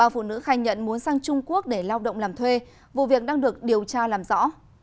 ba phụ nữ khai nhận muốn sang trung quốc để lao động làm thuê vụ việc đang được điều tra làm rõ